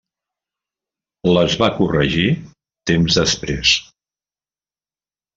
Les va corregir temps després.